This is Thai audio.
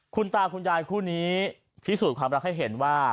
คุณตาคุณยายคู่นี้พิสูจน์ความรักให้เห็นว่า